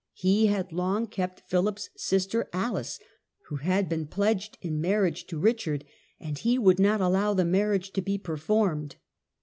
He had long kept Philip's sister Alice, who had been pledged in marriage to Richard, and he would not allow the marriage to be performed.